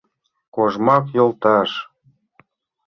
Кожмак йолташ!